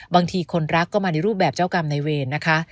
บางทีคนรักก็มาในรูปแบบเจ้ากรรมในเวรนะคะ